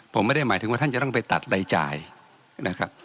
ผมไม่ได้หมายถึงว่าท่านจะต้องไปตัดรายจ่ายนะครับ